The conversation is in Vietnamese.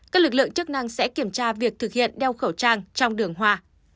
các lực lượng chức năng sẽ kiểm tra việc thực hiện đeo khẩu trang trong đường hoa